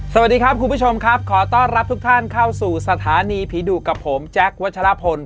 สวัสดีครับคุณผู้ชมครับขอต้อนรับทุกท่านเข้าสู่สถานีผีดุกับผมแจ๊ควัชลพล